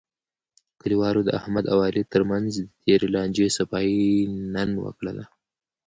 کلیوالو د احمد او علي ترمنځ د تېرې لانجې صفایی نن وکړله.